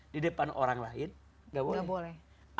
di depan orang lain gak boleh boleh